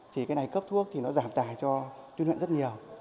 thì cái này cấp thuốc thì nó giảm tài cho tuyên huyện rất nhiều